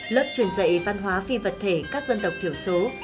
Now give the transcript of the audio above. lớp truyền dạy văn hóa phi vật thể các dân tộc thiểu số